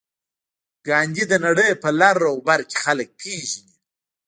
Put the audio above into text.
ګاندي د نړۍ په لر او بر کې خلک پېژني.